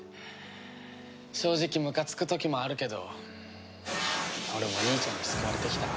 正直むかつく時もあるけど俺も兄ちゃんに救われてきた。